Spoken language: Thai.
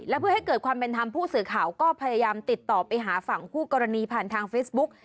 และเพื่อให้เกิดความเป็นธรรมผู้สื่อข่าวก็พยายามติดต่อไปหาฝั่งคู่กรณีผ่านทางเฟซบุ๊ก